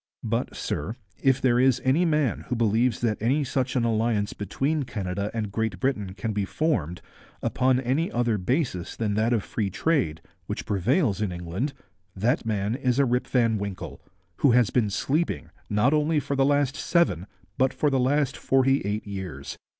But, sir, if there is any man who believes that any such an alliance between Canada and Great Britain can be formed upon any other basis than that of free trade, which prevails in England, that man is a Rip Van Winkle, who has been sleeping not only for the last seven but for the last forty four years.